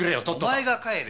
お前が帰れ！